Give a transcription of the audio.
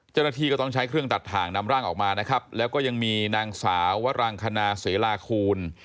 เจ้าหน้าที่ก็ต้องใช้เครื่องตัดถ่างนำร่างออกมานะครับแล้วก็ยังมีนางสาววรังคณาเสลาคูณ